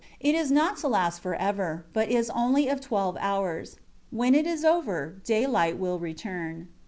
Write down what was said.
It is not to last forever; but is only of twelve hours; when it is over, daylight will return.